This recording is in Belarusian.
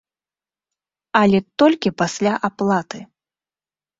Але толькі пасля аплаты!